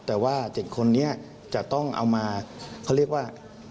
แต่ว่า๗คนนี้จะต้องเอามาเขาเรียกว่า